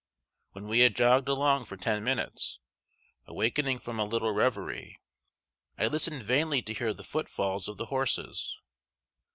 When we had jogged along for ten minutes, awakening from a little reverie, I listened vainly to hear the footfalls of the horses.